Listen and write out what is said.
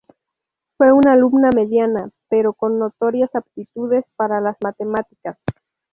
Fue una alumna mediana, pero con notorias aptitudes para las matemáticas.